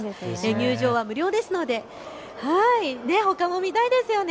入場は無料ですのでほかも見たいですよね。